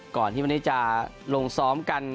ก่อนที่วันนี้จะลงซ้อมกัน